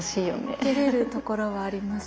てれるところはあります。